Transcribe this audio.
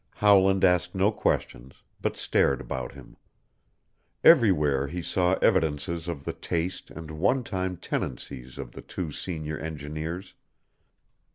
Howland asked no questions, but stared about him. Everywhere he saw evidences of the taste and one time tenancies of the two senior engineers.